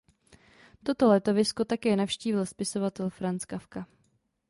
Toto letovisko také navštívil spisovatel Franz Kafka.